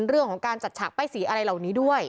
เรื่องของการจัดฉากป้ายสีอะไรเหล่านี้ด้วย